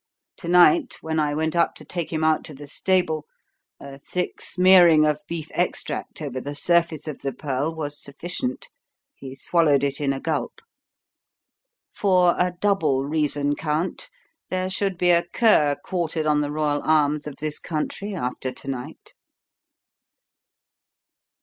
To night, when I went up to take him out to the stable, a thick smearing of beef extract over the surface of the pearl was sufficient; he swallowed it in a gulp! For a double reason, Count, there should be a cur quartered on the royal arms of this country after to night."